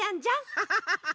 ハハハハハ！